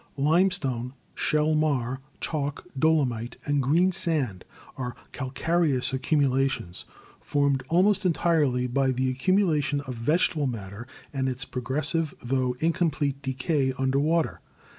Limestone, shell marl, chalk, dolomite and green sand are calcareous accumulations, formed almost entirely by the accumulation of vegetable matter and its progressive tho incomplete decay under water.